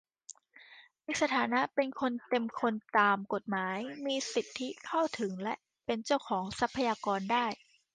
มีสถานะเป็นคนเต็มคนตามกฎหมาย มีสิทธิเข้าถึงและเป็นเจ้าของทรัพยากรได้